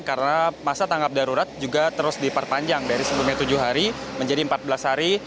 karena masa tanggap darurat juga terus diperpanjang dari sebelumnya tujuh hari menjadi empat belas hari